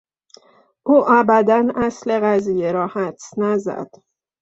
او ابدا اصل قضیه را حدس نزد.